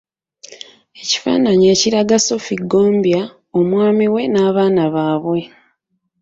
Ekifaananyi ekiraga Sophie Ggombya, omwami we n’abaana baabwe.